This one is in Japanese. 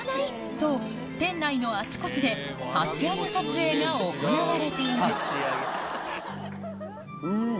と店内のあちこちで箸あげ撮影が行われているうぅ！